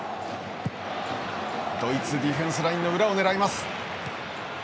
ドイツディフェンスラインの裏を狙います。